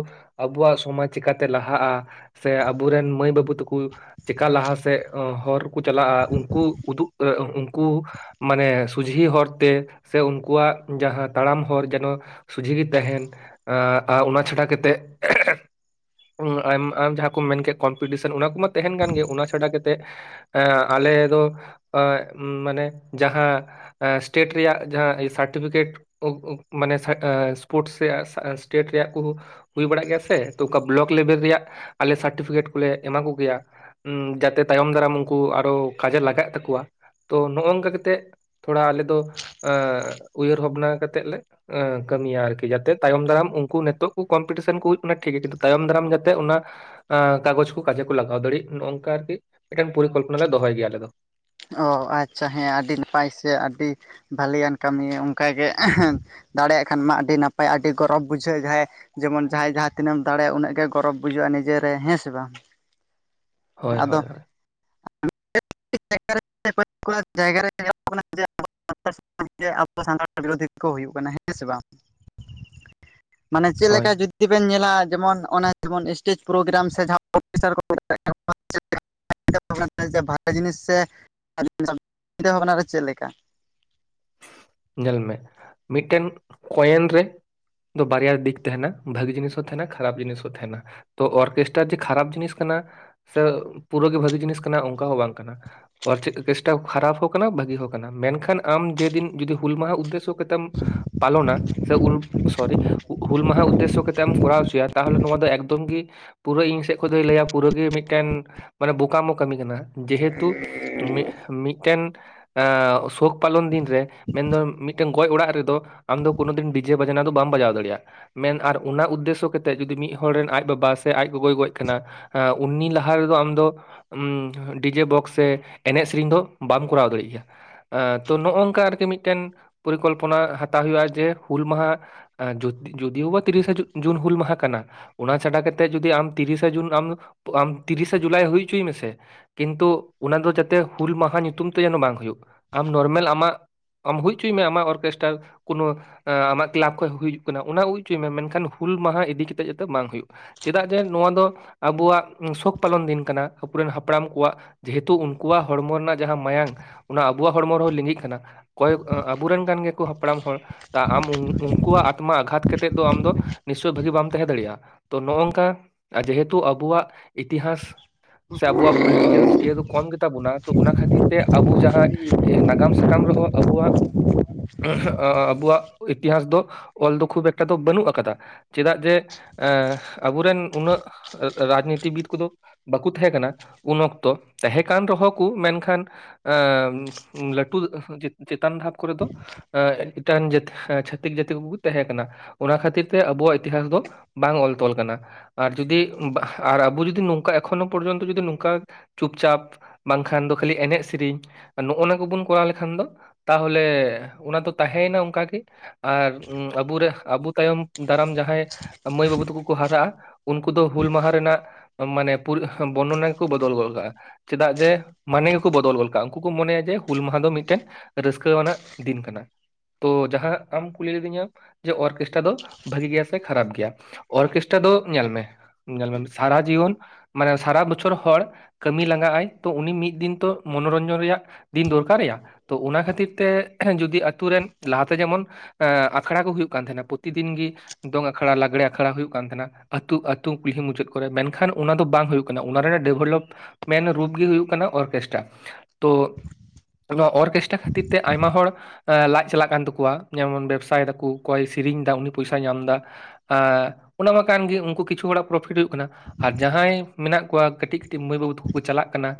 S1: ᱟᱵᱩᱣᱟᱜ ᱥᱚᱢᱟᱡᱽ ᱪᱤᱠᱟᱹᱛᱮ ᱞᱟᱦᱟᱜᱼᱟ? ᱥᱮ ᱟᱵᱚ ᱨᱮᱱ ᱢᱟᱹᱭ ᱵᱟᱹᱵᱩ ᱛᱟᱠᱩ ᱪᱮᱠᱟ ᱞᱟᱦᱟ ᱥᱮᱫ ᱦᱚᱨᱠᱚ ᱪᱟᱞᱟᱜᱼᱟ? ᱩᱝᱠᱩ ᱩᱫᱩᱜ ᱩᱝᱠᱩ ᱢᱟᱱᱮ ᱥᱩᱡᱷᱤ ᱦᱚᱨ ᱛᱮ ᱥᱮ ᱩᱱᱠᱩᱣᱟᱜ ᱡᱟᱦᱟᱸ ᱛᱟᱲᱟᱢ ᱦᱚᱨ ᱡᱮᱱᱚ ᱥᱩᱡᱷᱤ ᱜᱮ ᱛᱟᱦᱮᱱ ᱮᱸ ᱚᱱᱟ ᱪᱷᱟᱰᱟ ᱠᱟᱛᱮᱫ ᱟᱢ ᱟᱢ ᱡᱟᱦᱟᱸ ᱠᱚᱢ ᱢᱮᱱ ᱠᱮᱜ ᱠᱚᱢᱯᱤᱴᱤᱥᱮᱱ ᱚᱱᱟ ᱠᱚᱢᱟ ᱛᱟᱦᱮᱱ ᱠᱟᱱ ᱜᱮ, ᱚᱱᱟ ᱪᱷᱟᱰᱟ ᱠᱟᱛᱮᱫ ᱮᱸ ᱟᱞᱮ ᱫᱚ ᱮᱸ ᱢᱟᱱᱮ ᱡᱟᱦᱟᱸ ᱮᱸ ᱥᱴᱮᱹᱴ ᱨᱮᱭᱟᱜ ᱡᱟᱦᱟᱸ ᱥᱟᱨᱴᱤᱯᱷᱤᱠᱮᱴ [unintelligible] ᱢᱟᱱᱮ ᱥᱯᱳᱨᱴᱥ ᱨᱮᱭᱟᱜ ᱥᱴᱮᱴ ᱨᱮᱭᱟᱜ ᱠᱩ ᱦᱩᱭ ᱵᱟᱲᱟᱜ ᱜᱮᱭᱟ ᱥᱮ ᱛᱚ ᱚᱠᱟ ᱵᱞᱚᱠ ᱞᱮᱵᱮᱞ ᱨᱮᱭᱟᱜ ᱟᱞᱮ ᱥᱟᱨᱴᱤᱯᱷᱤᱠᱮᱴ ᱠᱚᱞᱮ ᱮᱢᱟ ᱠᱚᱜᱮᱭᱟ ᱡᱟᱛᱮ ᱛᱟᱭᱚᱢ ᱫᱟᱨᱟᱢ ᱩᱱᱠᱩ ᱟᱨᱚ ᱠᱟᱡᱮ ᱞᱟᱜᱟᱣ ᱛᱟᱠᱚᱣᱟ ᱛᱚ ᱱᱚᱝᱠᱟ ᱠᱟᱛᱮᱜ ᱛᱷᱚᱲᱟ ᱟᱞᱮ ᱫᱚ ᱩᱭᱦᱟᱹᱨ ᱵᱷᱟᱵᱽᱱᱟ ᱠᱟᱛᱮᱫ ᱞᱮ ᱠᱟᱹᱢᱤᱭᱟ ᱟᱨᱠᱤ ᱡᱟᱛᱮ ᱛᱟᱭᱚᱢ ᱫᱟᱨᱟᱢ ᱩᱱ ᱱᱤᱛᱚᱜ ᱠᱚᱢᱯᱤᱴᱤᱥᱚᱱ ᱠᱚ ᱦᱩᱭᱩᱜ ᱚᱱᱟ ᱴᱷᱤᱠ ᱜᱮᱭᱟ ᱠᱤᱱᱛᱩ ᱛᱟᱭᱚᱢ ᱫᱟᱨᱟᱢ ᱡᱟᱛᱮ ᱚᱱᱟ ᱠᱟᱜᱚᱡᱽ ᱠᱚ ᱠᱟᱡᱮ ᱠᱚ ᱞᱟᱜᱟᱣ ᱫᱟᱲᱤᱜ ᱱᱚᱝᱠᱟ ᱟᱨᱠᱤ ᱢᱤᱫᱴᱟᱝ ᱯᱚᱨᱤᱠᱚᱞᱯᱚᱱᱟ ᱞᱮ ᱫᱚᱦᱚᱭ ᱜᱮᱭᱟ ᱟᱞᱮ ᱫᱚ
S2: ᱚ ᱟᱪᱪᱷᱟ ᱦᱮᱸ ᱟᱹᱰᱤ ᱱᱟᱯᱟᱭ ᱥᱮ ᱟᱹᱰᱤ ᱵᱷᱟᱹᱞᱮᱭᱟᱱ ᱠᱟᱹᱢᱤ ᱚᱱᱠᱟᱜᱮ ᱫᱟᱲᱮᱭᱟᱜ ᱠᱷᱟᱱ ᱢᱟ ᱟᱹᱰᱤ ᱱᱟᱯᱟᱭ ᱟᱹᱰᱤ ᱜᱚᱨᱚᱵᱽ ᱵᱩᱡᱷᱟᱹᱜᱼᱟ ᱡᱟᱦᱟᱸᱭ ᱡᱮᱢᱚᱱ ᱡᱟᱦᱟᱸᱭ ᱡᱟᱦᱟᱸ ᱛᱤᱱᱟᱹᱜ ᱮᱢ ᱫᱟᱲᱮᱭᱟᱜᱼᱟ ᱩᱱᱟᱹᱜ ᱜᱮ ᱜᱚᱨᱚᱵ ᱵᱩᱡᱟᱹᱜᱼᱟ ᱱᱤᱡᱮ ᱨᱮ ᱦᱮᱥᱮ ᱵᱟᱝ?
S1: ᱦᱳᱭ ᱦᱳᱭ
S2: ᱟᱫᱚ
S1: ᱦᱳᱭ᱾
S2: [unintelligible] [unintelligible] ᱥᱟᱱᱛᱟᱲ ᱠᱚᱜᱮ ᱵᱤᱨᱳᱫᱷᱤᱠᱚ ᱦᱩᱭᱩᱜ ᱠᱟᱱᱟ ᱦᱮᱸ ᱥᱮ ᱵᱟᱝ?
S1: [inaudible]
S2: ᱢᱟᱱᱮ ᱪᱮᱫ
S1: ᱦᱳᱭ
S2: ᱞᱮᱠᱟ ᱡᱩᱫᱤ ᱡᱩᱫᱤ ᱵᱮᱱ ᱧᱮᱞᱟ ᱡᱮᱢᱚᱱ ᱚᱱᱟ ᱡᱮᱢᱚᱱ ᱥᱥᱴᱮᱡᱽ ᱯᱨᱳᱜᱨᱟᱢ ᱥᱮ ᱡᱟᱦᱟᱸ [unintelligible] [unintelligible] ᱡᱤᱱᱤᱥ ᱥᱮ ᱪᱤᱱᱛᱟᱹ ᱵᱷᱟᱵᱱᱟ ᱨᱮ ᱪᱮᱫ ᱞᱮᱠᱟ?
S1: ᱧᱮᱞ ᱢᱮ ᱢᱤᱫᱴᱮᱱ ᱠᱚᱭᱮᱱ ᱨᱮ, ᱫᱚ ᱵᱟᱨᱭᱟ ᱫᱤᱠ ᱛᱟᱦᱮᱱᱟ ᱵᱷᱟᱜᱤ ᱡᱤᱱᱤᱥ ᱦᱚᱸ ᱛᱟᱦᱮᱱᱟ, ᱠᱷᱟᱨᱟᱯ ᱡᱤᱱᱤᱥ ᱦᱚᱸ ᱛᱟᱦᱮᱱᱟ ᱾ ᱛᱚ ᱚᱨᱠᱮᱥᱴᱟᱨ ᱡᱮ ᱠᱷᱟᱨᱟᱯ ᱡᱤᱱᱤᱥ ᱠᱟᱱᱟ ᱥᱮ ᱯᱩᱨᱟᱹᱜᱤ ᱵᱷᱟᱹᱜᱤ ᱡᱤᱱᱤᱥ ᱠᱟᱱᱟ ᱚᱱᱠᱟ ᱦᱚᱸ ᱵᱟᱝ ᱠᱟᱱᱟ ᱾ ᱚᱨ ᱠᱮᱥᱴᱟᱯ ᱠᱷᱟᱨᱟᱯ ᱦᱚᱸ ᱠᱟᱱᱟ ᱵᱷᱟᱹᱜᱤ ᱦᱚᱸ ᱠᱟᱱᱟ ᱢᱮᱱᱠᱷᱟᱱ ᱟᱢ ᱡᱮᱫᱤᱱ ᱡᱚᱫᱤ ᱦᱩᱞ ᱢᱟᱦᱟ ᱩᱫᱽᱫᱮᱥᱚ ᱠᱟᱛᱮᱢ ᱯᱟᱞᱚᱱᱟ ᱥᱮ ᱩᱞ ᱥᱚᱨᱤ ᱦᱩᱞ ᱢᱟᱦᱟ ᱩᱫᱽᱫᱮᱥᱥᱚ ᱠᱟᱛᱮ ᱮᱢ ᱠᱚᱨᱟᱣ ᱦᱚᱪᱚᱭᱟ, ᱛᱟᱦᱚᱞᱮ ᱱᱚᱣᱟ ᱫᱚ ᱮᱠᱫᱚᱢ ᱜᱮ ᱯᱩᱨᱟᱹ ᱤᱧ ᱥᱮᱫ ᱠᱷᱚᱱ ᱫᱚᱭ ᱞᱟᱹᱭᱟ ᱯᱩᱨᱟᱹ ᱜᱮ ᱢᱤᱫ ᱢᱤᱫᱴᱮᱱ ᱢᱟᱱᱮ ᱵᱳᱠᱟᱢᱳ ᱠᱟᱹᱢᱤ ᱠᱟᱱᱟ, ᱡᱮᱦᱮᱛᱩ ᱢᱤᱫ ᱢᱤᱫᱴᱮᱱ ᱥᱳᱠ ᱯᱟᱞᱚᱱ ᱫᱤᱱ ᱨᱮ ᱢᱮᱱ ᱫᱚ ᱢᱤᱫᱴᱟᱝ ᱜᱚᱡ ᱚᱲᱟᱜ ᱨᱮ ᱫᱚ ᱟᱢ ᱫᱚ ᱠᱳᱱᱳ ᱫᱤᱱ ᱰᱤᱡᱮ ᱵᱟᱡᱱᱟ ᱫᱚ ᱵᱟᱢ ᱵᱟᱡᱟᱣ ᱫᱟᱲᱮᱭᱟᱜᱼᱟ ᱾ ᱢᱮᱱ ᱟᱨ ᱚᱱᱟ ᱩᱫᱽᱫᱮᱥᱥᱚ ᱠᱟᱛᱮ ᱡᱩᱫᱤ ᱢᱤᱫ ᱦᱚᱲ ᱨᱮᱱ ᱟᱡ ᱵᱟᱵᱟ ᱥᱮ ᱟᱡ ᱜᱚᱜᱚᱭ ᱜᱚᱡ ᱟᱠᱟᱱᱟ, ᱩᱱᱤ ᱞᱟᱦᱟ ᱨᱮ ᱫᱚ ᱟᱢ ᱫᱚ ᱰᱤᱡᱮ ᱵᱚᱠᱥ ᱥᱮ ᱮᱱᱮᱡ ᱥᱮᱨᱮᱧ ᱫᱚ ᱵᱟᱢ ᱠᱚᱨᱟᱣ ᱫᱟᱲᱮᱭᱟᱜ ᱜᱮᱭᱟ ᱾ ᱛᱚ ᱱᱚᱝᱠᱟ ᱟᱨᱠᱤ ᱢᱤᱫᱴᱮᱱ ᱯᱚᱨᱤᱠᱚᱞᱯᱚᱱᱟ ᱦᱟᱛᱟᱣ ᱦᱩᱭᱩᱜᱼᱟ, ᱡᱮ ᱦᱩᱞ ᱢᱟᱦᱟ ᱡᱚᱫᱤ ᱡᱳᱫᱤᱭᱳ ᱵᱟ ᱛᱤᱨᱤᱥᱟ ᱡᱩᱱ ᱦᱩᱞ ᱢᱟᱦᱟ ᱠᱟᱱᱟ ᱚᱱᱟ ᱪᱷᱟᱰᱟ ᱠᱟᱛᱮ ᱡᱚᱫᱤ ᱟᱢ ᱛᱤᱨᱤᱥᱟ ᱡᱩᱱ ᱟᱢ ᱟᱢ ᱛᱤᱨᱤᱥᱟ ᱡᱩᱞᱟᱭ ᱦᱩᱭ ᱦᱚᱪᱚᱭ ᱢᱮᱥᱮ ᱾ ᱠᱤᱱᱛᱩ ᱚᱱᱟ ᱫᱚ ᱡᱟᱛᱮ ᱦᱩᱞ ᱢᱟᱦᱟ ᱧᱩᱛᱩᱢ ᱛᱮ ᱡᱮᱱᱚ ᱵᱟᱝ ᱦᱩᱭᱩᱜ ᱟᱢ ᱱᱚᱨᱢᱮᱞ ᱟᱢᱟᱜ ᱟᱢ ᱦᱩᱭ ᱪᱩᱭ ᱢᱮ ᱟᱢᱟᱜ ᱚᱨᱠᱮᱥᱴᱟᱨ, ᱠᱳᱱᱳ ᱟᱢᱟᱜ ᱠᱞᱟᱵᱽ ᱠᱷᱚᱱᱚᱡ ᱦᱩᱭᱩᱜ ᱠᱟᱱᱟ ᱚᱱᱟ ᱦᱩᱭ ᱦᱚᱪᱚᱭ ᱢᱮ ᱢᱮᱱᱠᱷᱟᱱ ᱦᱩᱞ ᱢᱟᱦᱟ ᱤᱫᱤ ᱠᱟᱛᱮ ᱡᱟᱛᱮ ᱵᱟᱝ ᱦᱩᱭᱩᱜ ᱾ ᱪᱮᱫᱟᱜ ᱡᱮ ᱱᱚᱣᱟ ᱫᱚ ᱟᱵᱩᱣᱟᱜ ᱥᱳᱠ ᱯᱟᱞᱚᱱ ᱫᱤᱱ ᱠᱟᱱᱟ ᱟᱵᱚᱨᱮᱱ ᱦᱟᱯᱲᱟᱢ ᱠᱚᱣᱟᱜ ᱡᱮᱦᱮᱛᱩ ᱩᱱᱠᱩᱣᱟᱜ ᱦᱚᱲᱢᱚ ᱨᱮᱱᱟᱜ ᱡᱟᱦᱟᱸ ᱢᱟᱭᱟᱝ, ᱚᱱᱟ ᱟᱵᱚᱣᱟᱜ ᱦᱚᱲᱢᱚ ᱨᱮᱦᱚᱸ ᱞᱤᱸᱜᱤᱜ ᱠᱟᱱᱟ ᱾ ᱚᱠᱚᱭ ᱟᱵᱚᱨᱮᱱ ᱠᱟᱱ ᱜᱮᱭᱟ ᱠᱚ ᱦᱟᱯᱲᱟᱢ ᱦᱚᱲ ᱾ ᱛᱟ ᱟᱢ ᱩᱱᱠᱩᱣᱟᱜ ᱟᱛᱢᱟ ᱟᱜᱷᱟᱛ ᱠᱟᱛᱮ ᱫᱚ ᱟᱢ ᱫᱚ ᱱᱤᱥᱪᱷᱚᱭ ᱵᱷᱟᱹᱜᱤ ᱵᱟᱢ ᱛᱟᱸᱦᱮ ᱫᱟᱲᱮᱭᱟᱜᱼᱟ᱾ ᱛᱚ ᱱᱚᱜ-ᱚᱝᱠᱟ ᱡᱮᱦᱮᱛᱩ ᱟᱵᱚᱣᱟᱜ ᱤᱛᱤᱦᱟᱥ ᱥᱮ ᱟᱵᱚᱣᱟᱜ ᱯᱚᱞᱤᱴᱤᱠᱮᱞᱥ ᱤᱭᱟᱹ ᱫᱚ ᱠᱚᱢ ᱜᱮᱛᱟ ᱵᱚᱱᱟ ᱾ ᱛᱚ ᱚᱱᱟ ᱠᱷᱟᱹᱛᱤᱨ ᱛᱮ ᱟᱵᱚ ᱡᱟᱦᱟᱸ ᱱᱟᱜᱟᱢ ᱥᱟᱠᱟᱢ ᱨᱮᱦᱚᱸ ᱟᱵᱚᱣᱟᱜ, ᱟᱵᱚᱣᱟᱜ ᱤᱛᱤᱦᱟᱥ ᱫᱚ ᱚᱞ ᱫᱚ ᱠᱷᱩᱵ ᱮᱠᱴᱟ ᱫᱚ ᱵᱟᱹᱱᱩᱜ ᱟᱠᱟᱫᱟ ᱾ ᱪᱮᱫᱟᱜ ᱡᱮ ᱮ ᱟᱵᱚᱨᱮᱱ ᱩᱱᱟᱹᱜ ᱨᱟᱡᱽᱱᱤᱛᱤᱵᱤᱫ ᱠᱚᱫᱚ ᱵᱟᱠᱩ ᱛᱟᱦᱮᱸ ᱠᱟᱱᱟ ᱩᱱ ᱚᱠᱛᱚ, ᱛᱟᱦᱮᱸ ᱠᱟᱱ ᱨᱮᱦᱚᱸ ᱠᱚ ᱢᱮᱱᱠᱷᱟᱱ ᱮᱸ ᱞᱟᱹᱴᱩ ᱪᱮᱛᱟᱱ ᱫᱷᱟᱯ ᱠᱚᱨᱮ ᱫᱚ ᱮᱸ ᱮᱫᱴᱟᱱ ᱡᱟᱹᱛᱤ ᱪᱷᱟᱹᱛᱤᱠ ᱡᱟᱹᱛᱤ ᱠᱚᱠᱚ ᱛᱟᱦᱮᱸ ᱠᱟᱱᱟ, ᱚᱱᱟ ᱠᱷᱟᱹᱛᱤᱨ ᱛᱮ ᱟᱵᱚᱣᱟᱜ ᱤᱛᱤᱦᱟᱥ ᱫᱚ ᱵᱟᱝ ᱚᱞ ᱛᱚᱞ ᱠᱟᱱᱟ ᱾ ᱟᱨ ᱡᱩᱫᱤ ᱵᱟ ᱟᱨ ᱟᱵᱚ ᱡᱩᱫᱤ ᱱᱚᱝᱠᱟ ᱮᱠᱷᱚᱱᱳ ᱯᱚᱨᱡᱚᱱᱛᱚ ᱡᱩᱫᱤ ᱱᱚᱝᱠᱟ ᱪᱩᱯᱪᱟᱯ ᱵᱟᱝᱠᱷᱟᱱ ᱫᱚ ᱠᱷᱟᱹᱞᱤ ᱮᱱᱮᱡ ᱥᱮᱨᱮᱧ ᱱᱚᱜᱼᱱᱟ ᱠᱚᱵᱚᱱ ᱠᱚᱨᱟᱣ ᱞᱮᱠᱷᱟᱱ ᱫᱚ ᱛᱟᱦᱚᱞᱮ ᱚᱱᱟ ᱫᱚ ᱛᱟᱦᱮᱸᱭᱮᱱᱟ ᱚᱝᱠᱟ ᱜᱮ ᱾ ᱟᱨ ᱟᱵᱚᱨᱮ ᱟᱵᱚ ᱛᱟᱭᱚᱢ ᱫᱟᱨᱟᱢ ᱡᱟᱦᱟᱸᱭ ᱢᱟᱹᱭ ᱵᱟᱹᱵᱩ ᱛᱟᱠᱚ ᱠᱚ ᱦᱟᱨᱟᱜᱼᱟ ᱩᱱᱠᱩ ᱫᱚ ᱦᱩᱞ ᱢᱟᱦᱟ ᱨᱮᱱᱟᱜ ᱢᱟᱱᱮ ᱯᱩᱨᱟ ᱵᱚᱨᱱᱚᱱᱟ ᱜᱮ ᱠᱚ ᱵᱚᱫᱚᱞ ᱜᱚᱫ ᱠᱟᱜᱼᱟ ᱾ ᱪᱮᱫᱟᱜ ᱡᱮ ᱢᱟᱱᱮ ᱜᱮ ᱠᱚ ᱵᱚᱫᱚᱞ ᱜᱚᱫ ᱠᱟᱜᱼᱟ, ᱩᱱᱠᱩ ᱠᱚ ᱢᱚᱱᱮᱭᱟ ᱡᱮ ᱦᱩᱞ ᱢᱟᱦᱟ ᱫᱚ ᱢᱤᱫᱴᱮᱱ ᱨᱟᱹᱥᱠᱟᱹ ᱟᱱᱟᱜ ᱫᱤᱱ ᱠᱟᱱᱟ ᱾ ᱛᱚ ᱡᱟᱦᱟᱸ ᱟᱢ ᱠᱩᱞᱤ ᱞᱤᱫᱤᱧᱟ ᱡᱮ ᱚᱨᱠᱮᱥᱴᱟᱨ ᱫᱚ ᱵᱷᱟᱜᱤ ᱜᱮᱭᱟ ᱥᱮ ᱠᱷᱟᱨᱟᱯ ᱜᱮᱭᱟ, ᱚᱨᱠᱮᱥᱴᱟᱨ ᱫᱚ ᱧᱮᱞ ᱢᱮ ᱧᱮᱞ ᱢᱮ ᱥᱟᱨᱟ ᱡᱤᱭᱚᱱ ᱢᱟᱱᱮ ᱥᱟᱨᱟ ᱵᱚᱪᱷᱚᱨ ᱦᱚᱲ ᱠᱟᱹᱢᱤ ᱞᱟᱸᱜᱟᱜ ᱟᱭ ᱛᱚ ᱩᱱᱤ ᱢᱤᱫ ᱫᱤᱱ ᱛᱚ ᱢᱚᱱᱚᱨᱚᱧᱡᱚᱱ ᱨᱮᱭᱟᱜ ᱫᱤᱱ ᱫᱚᱨᱠᱟᱨᱮᱭᱟ, ᱛᱚ ᱚᱱᱟ ᱠᱷᱟᱹᱛᱤᱨ ᱛᱮ ᱡᱩᱫᱤ ᱟᱛᱩ ᱨᱮᱱ ᱞᱟᱦᱟᱛᱮ ᱡᱮᱢᱚᱱ ᱟᱠᱷᱲᱟ ᱠᱚ ᱦᱩᱭᱩᱜ ᱠᱟᱱ ᱛᱟᱦᱮᱸᱱᱟ ᱯᱨᱚᱛᱤ ᱫᱤᱱ ᱜᱤ ᱫᱚᱝ ᱟᱠᱷᱲᱟ ᱞᱟᱜᱽᱲᱮ ᱟᱠᱷᱲᱟ ᱦᱩᱭᱩᱜ ᱠᱟᱱ ᱛᱟᱦᱮᱸᱱᱟ ᱾ ᱟᱹᱛᱩ ᱟᱹᱛᱩ ᱠᱩᱞᱦᱤ ᱢᱩᱪᱟᱹᱫ ᱠᱚᱨᱮᱜ ᱢᱮᱱᱠᱷᱟᱱ ᱚᱱᱟ ᱫᱚ ᱵᱟᱝ ᱦᱩᱭᱩᱜ ᱠᱟᱱᱟ, ᱚᱱᱟ ᱨᱮᱱᱟᱜ ᱰᱮᱵᱷᱞᱚᱯ ᱢᱮᱱ ᱨᱩᱯ ᱜᱮ ᱦᱩᱭᱩᱜ ᱠᱟᱱᱟ ᱚᱨᱜᱮᱥᱴᱨᱟ᱾ ᱛᱳ ᱱᱚᱣᱟ ᱚᱨᱜᱮᱥᱴᱨᱟ ᱠᱷᱟᱹ ᱛᱤᱨ ᱛᱮ ᱟᱭᱢᱟ ᱦᱚᱲ ᱞᱟᱡ ᱪᱟᱞᱟᱜ ᱠᱟᱱ ᱛᱟᱠᱚᱣᱟ ᱡᱮᱢᱚᱱ ᱵᱮᱵᱽᱥᱟᱭ ᱫᱟᱠᱚ ᱚᱠᱚᱭ ᱥᱮᱨᱤᱧ ᱫᱟ ᱩᱱᱤ ᱯᱚᱭᱥᱟᱭ ᱧᱟᱢ ᱫᱟ᱾ ᱟᱸ ᱚᱱᱟ ᱢᱟ ᱠᱟᱱ ᱜᱮ ᱩᱝᱠᱩ ᱠᱤᱪᱷᱩ ᱦᱚᱲᱟᱜ ᱯᱨᱚᱯᱷᱤᱴ ᱦᱩᱭᱩᱜ ᱠᱟᱱᱟ ᱟᱨ ᱡᱟᱦᱟᱸᱭ ᱢᱮᱱᱟᱜ ᱠᱚᱣᱟ ᱠᱟᱹ ᱴᱤᱡ ᱢᱟᱹᱭ ᱵᱟᱹᱵᱩ ᱛᱟᱠᱚ ᱠᱚ ᱪᱟᱞᱟᱜ ᱠᱟᱱᱟ,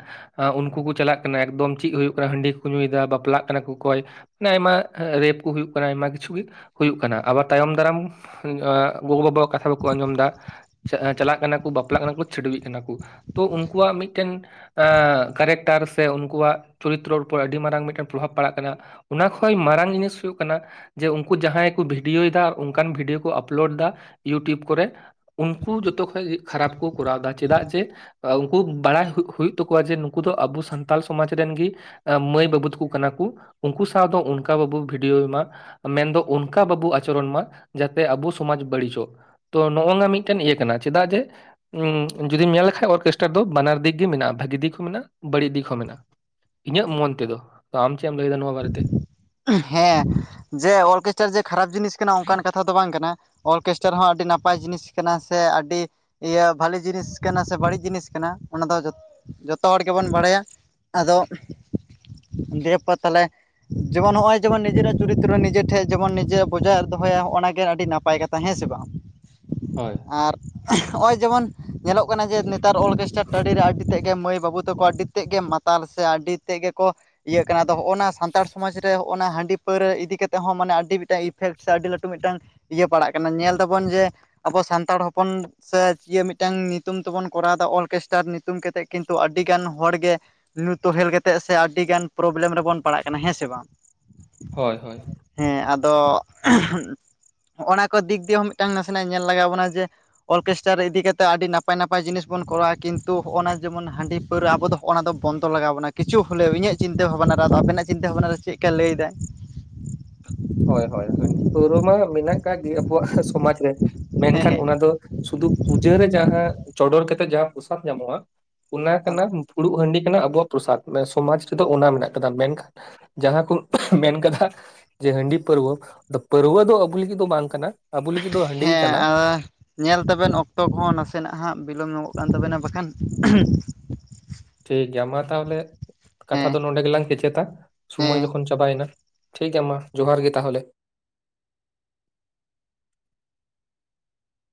S1: ᱩᱝᱠᱩ ᱠᱚ ᱪᱟᱞᱟᱜ ᱠᱟᱱᱟ ᱮᱠᱫᱚᱢ ᱪᱮᱫ ᱦᱩᱭᱩᱜ ᱠᱟᱱᱟ ᱦᱟᱺᱰᱤ ᱠᱚᱠᱚ ᱧᱩᱭᱮᱫᱟ ᱵᱟᱯᱞᱟᱜ ᱠᱟᱱᱟ ᱠᱚ ᱚᱠᱚᱭ ᱢᱟᱱᱮ ᱟᱭᱢᱟ ᱨᱮᱯ ᱠᱚ ᱦᱩᱭᱩᱜ ᱠᱟᱱᱟ ᱟᱭᱢᱟ ᱠᱤᱪᱷᱩ ᱜᱮ, ᱦᱩᱭᱩᱜ ᱠᱟᱱᱟ, ᱟᱵᱟᱨ ᱛᱟᱭᱚᱢ ᱫᱟᱨᱟᱢ ᱜᱚᱜᱚ ᱵᱟᱵᱟᱣᱟᱜ ᱠᱟᱛᱷᱟ ᱵᱟᱠᱚ ᱟᱸᱡᱚᱢᱫᱟ ᱪᱟᱞᱟᱜ ᱠᱟᱱᱟ ᱠᱚ ᱵᱟᱯᱞᱟᱜ ᱠᱟᱱᱟ ᱠᱚ ᱪᱷᱟᱹᱰᱩᱣᱟᱹᱜ ᱠᱟᱱᱟ ᱠᱩ᱾ ᱛᱚ ᱩᱱᱠᱩᱣᱟᱜ ᱢᱤᱫᱴᱮᱱ ᱟᱸ ᱠᱮᱨᱮᱠᱴᱟᱨ ᱥᱮ ᱩᱱᱠᱩᱣᱟᱜ ᱪᱚᱨᱤᱛᱨᱚ ᱩᱯᱚᱨ ᱟᱹᱰᱤ ᱢᱟᱨᱟᱝ ᱢᱤᱫᱴᱮᱱ ᱯᱨᱚᱵᱷᱟᱵᱽ ᱯᱟᱲᱟᱜ ᱠᱟᱱᱟ, ᱚᱱᱟ ᱠᱷᱚᱡ ᱢᱟᱨᱟᱝ ᱡᱤᱱᱤᱥ ᱦᱩᱭᱩᱜ ᱠᱟᱱᱟ ᱡᱮ ᱩᱝᱠᱩ ᱡᱟᱦᱟᱸᱭ ᱠᱚ ᱵᱷᱤᱰᱤᱭᱳᱭᱫᱟ ᱚᱱᱠᱟᱱ ᱵᱷᱤᱰᱤᱭᱳ ᱠᱚ ᱟᱯᱞᱳᱰ ᱫᱟ ᱤᱭᱩᱴᱩᱵᱽ ᱠᱚᱨᱮ ᱩᱱᱠᱩ ᱡᱚᱛᱚᱠᱷᱚᱡ ᱜᱮ ᱠᱷᱟᱨᱟᱯ ᱠᱚ ᱠᱚᱨᱟᱣ ᱫᱟ ᱪᱮᱫᱟᱜ ᱡᱮ ᱩᱱᱠᱩ ᱵᱟᱲᱟᱭ ᱦᱩᱜ ᱦᱩᱭᱩᱜ ᱛᱟᱠᱚᱣᱟ ᱡᱮ ᱱᱩᱠᱩ ᱫᱚ ᱟᱵᱚ ᱥᱟᱱᱛᱟᱞ ᱥᱚᱢᱟᱡᱽ ᱨᱮᱱᱜᱮ ᱢᱟᱹᱭ ᱵᱟᱹᱵᱩ ᱛᱟᱠᱩ ᱠᱟᱱᱟ ᱠᱩ᱾ ᱩᱝᱠᱩ ᱥᱟᱶ ᱫᱚ ᱚᱱᱠᱟ ᱵᱟᱵᱚ ᱵᱷᱤᱰᱤᱭᱳᱭ ᱢᱟ, ᱢᱮᱱᱫᱚ ᱚᱱᱠᱟ ᱵᱟᱵᱚ ᱟᱪᱚᱨᱚᱱ ᱢᱟ ᱡᱟᱛᱮ ᱟᱵᱚ ᱥᱚᱢᱟᱡᱽ ᱵᱟᱹᱲᱤᱡᱚᱜ᱾ ᱛᱚ ᱱᱚᱜᱼᱱᱟ ᱢᱤᱫᱴᱮᱱ ᱤᱭᱟᱹ ᱠᱟᱱᱟ ᱪᱮᱫᱟᱜ ᱡᱮ ᱡᱩᱚᱫᱤᱢ ᱧᱮᱞ ᱞᱮᱠᱷᱟᱱ ᱚᱨᱠᱮᱥᱴᱟᱨ ᱫᱚ ᱵᱟᱱᱟᱨ ᱫᱤᱠ ᱜᱮ ᱢᱮᱱᱟᱜᱼᱟ, ᱵᱷᱟᱹᱜᱤ ᱫᱤᱠ ᱦᱚᱸ ᱢᱮᱱᱟᱜᱼᱟ ᱵᱟᱹᱲᱤᱡ ᱫᱤᱠ ᱦᱚᱸ ᱢᱮᱱᱟᱜᱼᱟ᱾ ᱤᱧᱟᱹᱜ ᱢᱚᱱ ᱛᱮᱫᱚ, ᱟᱢ ᱪᱮᱫ ᱮᱢ ᱞᱟᱹᱭᱟᱫᱟ ᱱᱚᱣᱟ ᱵᱟᱨᱮᱛᱮᱫᱚ?
S2: ᱦᱮᱸ ᱡᱮ ᱚᱨᱠᱮᱥᱴᱟᱨ ᱡᱮ ᱠᱷᱟᱨᱟᱯ ᱡᱤᱱᱤᱥ ᱠᱟᱱᱟ ᱚᱱᱠᱟᱱ ᱠᱟᱛᱷᱟ ᱫᱚ ᱵᱟᱝ ᱠᱟᱱᱟ, ᱚᱨᱠᱮᱥᱴᱟᱨ ᱦᱚᱸ ᱟᱹᱰᱤ ᱱᱟᱯᱟᱭ ᱡᱤᱱᱤᱥ ᱠᱟᱱᱟ ᱥᱮ ᱟᱰᱤ ᱤᱭᱟᱹ ᱵᱷᱟᱞᱤ ᱡᱤᱱᱤᱥ ᱠᱟᱱᱟ ᱥᱮ ᱵᱟᱹᱲᱤᱡ ᱡᱤᱱᱤᱥ ᱠᱟᱱᱟ ᱚᱱᱟ ᱫᱚ ᱡᱷᱚ ᱡᱷᱚᱛᱚ ᱦᱚᱲ ᱜᱮᱵᱚᱱ ᱵᱟᱲᱟᱭᱟ, ᱟᱫᱚ ᱫᱤᱭᱮ ᱯᱚᱨ ᱛᱟᱦᱚᱞᱮ ᱡᱮᱢᱚᱱ ᱱᱚᱜᱼᱚᱭ ᱡᱮᱢᱚᱱ ᱱᱤᱡᱮᱨᱟᱜ ᱪᱚᱨᱤᱛᱨᱚ ᱱᱤᱡᱮ ᱴᱷᱮᱡ ᱡᱮᱢᱚᱱ ᱱᱤᱡᱮᱨᱟᱜ ᱵᱚᱡᱟᱭ ᱫᱚᱦᱚᱭ ᱚᱸᱜᱼᱱᱟ ᱜᱮ ᱟᱹᱰᱤ ᱱᱟᱯᱟᱭ ᱠᱟᱛᱷᱟ ᱦᱮᱸᱥᱮ ᱵᱟᱝ?
S1: ᱦᱳᱭ᱾
S2: ᱟᱨ ᱦᱚᱸᱜᱼᱚᱭ ᱡᱮᱢᱚᱱ ᱧᱮᱞᱚᱜ ᱠᱟᱱᱟ ᱡᱮ ᱱᱮᱛᱟᱨ ᱚᱨᱠᱮᱥᱴᱟᱨ ᱴᱟᱺᱤᱨᱮ ᱟᱹᱰᱤ ᱛᱮᱫ ᱢᱟᱹᱭ ᱵᱟᱹᱵᱩ ᱛᱟᱠᱚ ᱟᱹᱰᱤ ᱛᱮᱫ ᱜᱮ ᱢᱟᱛᱟᱞ ᱥᱮ ᱟᱹᱰᱤ ᱛᱮᱫ ᱜᱮᱠᱚ ᱤᱭᱟᱹ ᱠᱟᱱᱟ᱾ ᱟᱫᱚ ᱦᱚᱸᱜᱼᱱᱟ ᱥᱟᱱᱛᱟᱲ ᱥᱚᱢᱟᱡᱽ ᱨᱮ ᱦᱚᱸᱜ-ᱱᱟ ᱦᱟᱺᱰᱤ ᱯᱟᱹᱣᱨᱟᱹ ᱤᱫᱤ ᱠᱟᱛᱮᱜ ᱦᱚᱸ ᱢᱟᱱᱮ ᱟᱹᱰᱤ ᱢᱤᱫᱴᱟᱝ ᱤᱯᱷᱮᱠᱴ ᱥᱮ ᱟᱹᱰᱤ ᱞᱟᱹᱴᱩ ᱢᱤᱫᱴᱟᱝ ᱤᱭᱟᱹ ᱯᱟᱲᱟᱜ ᱠᱟᱱᱟ ᱧᱮᱞ ᱫᱟᱵᱚᱱ ᱡᱮ ᱟᱵᱚ ᱥᱟᱱᱛᱟᱲ ᱦᱚᱯᱚᱱ ᱥᱮ ᱡᱤᱭᱟᱹ ᱢᱤᱫᱴᱟᱝ ᱧᱩᱛᱩᱢ ᱛᱮᱵᱚᱱ ᱠᱚᱨᱟᱣᱫᱟ ᱚᱨᱠᱮᱥᱴᱟᱨ ᱧᱩᱛᱩᱢ ᱠᱟᱛᱮᱜ ᱠᱤᱱᱛᱩ ᱟᱹᱰᱤ ᱜᱟᱱ ᱦᱚᱲᱜᱮ ᱧᱩ ᱛᱳᱦᱮᱞ ᱠᱟᱛᱮᱜ ᱥᱮ ᱟᱹᱰᱤᱜᱟᱱ ᱯᱨᱚᱵᱞᱮᱢ ᱨᱮᱵᱚᱱ ᱯᱟᱲᱟᱜ ᱠᱟᱱᱟ ᱦᱮᱸ ᱥᱮ ᱵᱟᱝ?
S1: ᱦᱳᱭ ᱦᱳᱭ᱾
S2: ᱦᱮᱸ ᱟᱫᱚ ᱦᱚᱸᱜ-ᱚᱱᱟ ᱠᱚ ᱫᱤᱠ ᱫᱤᱭᱮ ᱦᱚᱸ ᱢᱤᱫᱴᱟᱝ ᱱᱟᱥᱮᱱᱟᱜ ᱧᱮᱞ ᱞᱟᱜᱟᱣ ᱵᱚᱱᱟ ᱡᱮ ᱚᱨᱠᱮᱥᱴᱟᱨ ᱨᱮ ᱤᱫᱤ ᱠᱟᱛᱮᱜ ᱟᱹᱰᱤ ᱱᱟᱯᱟᱭ ᱱᱟᱯᱟᱭ ᱡᱤᱱᱤᱥ ᱵᱚᱱ ᱠᱚᱨᱟᱣᱟ ᱠᱤᱱᱛᱩ ᱦᱚᱜᱼᱚᱱᱟ ᱡᱮᱢᱚᱱ ᱦᱟᱺᱰᱤ ᱯᱟᱹᱣᱨᱟᱹ ᱟᱵᱚ ᱫᱚ ᱚᱱᱟ ᱵᱚᱱᱫᱚ ᱞᱟᱜᱟᱣ ᱵᱚᱱᱟ ᱠᱤᱪᱷᱩ ᱦᱳᱞᱮᱣ ᱤᱧᱟᱹᱜ ᱪᱤᱱᱛᱟᱹ ᱵᱷᱟᱵᱱᱟ ᱨᱮ ᱟᱫᱚ ᱟᱵᱮᱱᱟᱜ ᱪᱤᱱᱛᱟᱹ ᱵᱷᱟᱵᱱᱟ ᱨᱮ ᱪᱮᱜᱠᱟ ᱞᱟᱹᱭᱫᱟᱭ᱾
S1: ᱦᱳᱭ ᱦᱳᱭ ᱦᱟᱺᱰᱤ ᱯᱟᱹᱣᱨᱟᱹ ᱢᱟ ᱢᱮᱱᱟᱜ ᱠᱟᱜ ᱜᱮ ᱟᱵᱚᱣᱟᱜ ᱥᱚᱢᱟᱡᱽ ᱨᱮ᱾
S2: ᱦᱮᱸ
S1: ᱢᱮᱱᱠᱷᱟᱱ
S2: ᱦᱮᱸ
S1: ᱚᱱᱟ ᱫᱚ ᱥᱩᱫᱩ ᱯᱩᱡᱟᱹᱨᱮ ᱡᱟᱦᱟᱸ ᱪᱚᱰᱚᱨ ᱠᱟᱛᱮᱜ ᱡᱟᱦᱟᱸ ᱯᱚᱥᱟᱫ ᱧᱟᱢᱚᱜᱼᱟ ᱚᱱᱟ ᱠᱟᱱᱟ ᱯᱷᱩᱲᱩᱜ ᱦᱟᱺᱰᱤ ᱠᱟᱱᱟ ᱟᱵᱚᱣᱟᱜ ᱯᱨᱚᱥᱟᱫ᱾ ᱥᱚᱢᱟᱡᱽ ᱨᱮᱫᱚ ᱚᱱᱟ ᱢᱮᱱᱟᱜ ᱠᱟᱫᱟ᱾ ᱢᱮᱱᱠᱷᱟᱱ ᱡᱟᱦᱟᱸ ᱠᱚ ᱢᱮᱱ ᱠᱟᱫᱟ ᱡᱮ ᱦᱟᱺᱰᱤ ᱯᱟᱹᱨᱣᱟᱹ ᱯᱟᱹᱨᱣᱟᱹ᱾ ᱟᱫᱚ ᱯᱟᱹᱨᱭᱟᱹ ᱫᱚ ᱟᱵᱚ ᱞᱟᱹᱜᱤᱫ ᱫᱚ ᱵᱟᱝ ᱠᱟᱱᱟ᱾ ᱟᱵᱚ ᱞᱟᱹᱜᱤᱫ ᱫᱚ ᱦᱟᱺᱰᱤ ᱜᱮ
S2: ᱦᱮᱸ
S1: ᱠᱟᱱᱟ
S2: ᱟᱫ ᱧᱮᱞ ᱛᱟᱵᱮᱱ ᱚᱠᱛᱚ ᱠᱚᱦᱚᱸ ᱱᱟᱥᱮᱱᱟᱜ ᱦᱟᱸᱜ ᱵᱤᱞᱚᱢ ᱧᱚᱜᱚᱜ ᱠᱟᱱ ᱛᱟᱵᱮᱱᱟ ᱵᱟᱠᱷᱟᱱ
S1: ᱴᱷᱤᱠ ᱜᱮᱭᱟ ᱢᱟ ᱛᱟᱦᱞᱮ ᱠᱟᱛᱷᱟ
S2: ᱦᱮᱸ
S1: ᱫᱚ ᱱᱚᱰᱮ ᱜᱮᱞᱟᱝ ᱠᱮᱪᱮᱫᱟ ᱥᱩᱢᱚᱭ
S2: ᱦᱮᱸ
S1: ᱡᱚᱠᱷᱚᱱ ᱪᱟᱵᱟᱭᱱᱟ᱾ ᱴᱷᱤᱠ ᱜᱮᱭᱟ ᱢᱟ ᱡᱚᱸᱦᱟᱨ ᱜᱮ ᱛᱟᱦᱚᱞᱮ᱾